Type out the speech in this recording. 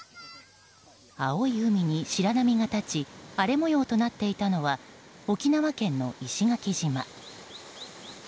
青い海に白波が立ち荒れ模様となっていたのは沖縄県の石垣島。